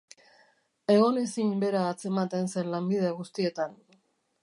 Egonezin bera atzematen zen lanbide guztietan.